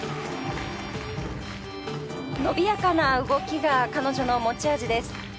伸びやかな動きが彼女の持ち味です。